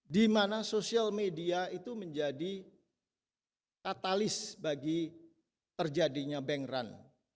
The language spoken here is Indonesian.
di mana sosial media itu menjadi katalis bagi terjadinya bank run